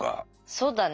そうだね。